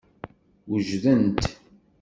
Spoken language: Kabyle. Wejdent.